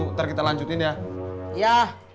ntar kita lanjutin ya